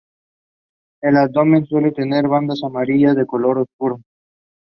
El abdomen suele tener bandas amarillas y de color oscuro.